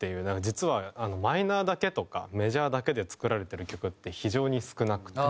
実はマイナーだけとかメジャーだけで作られてる曲って非常に少なくて。